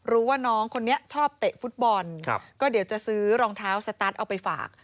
รู้ว่าน้องคนนี้ชอบเตะฟุตบอลก็เดี๋ยวจะซื้อรองเท้าสตาร์ทเอาไปฝาก